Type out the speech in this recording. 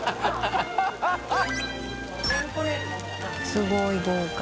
すごい豪華。